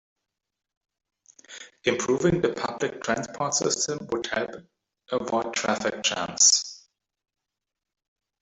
Improving the public transport system would help avoid traffic jams.